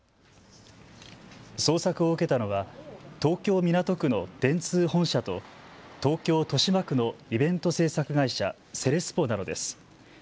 捜索を受けたのは東京港区の電通本社と東京豊島区のイベント制作会社、セレスポなどです。